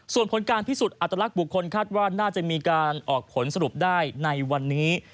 ส่วนผลการพิสูจน์อัตลักษณ์บุคคลคาดว่าน่าจะมีการออกผลสรุปได้ในวันนี้